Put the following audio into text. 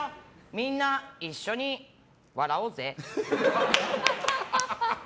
みんな一緒に笑おうぜ！